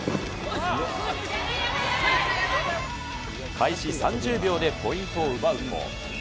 開始３０秒でポイントを奪うと。